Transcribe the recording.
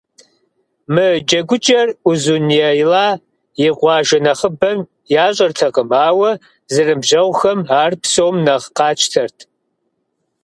Мы джэгукӏэр Узуняйла и къуажэ нэхъыбэм ящӏэртэкъым, ауэ зэныбжьэгъухэм ар псом нэхъ къатщтэрт.